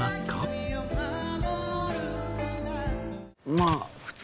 まあ普通に。